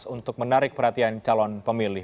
untuk menarik perhatian calon pemilih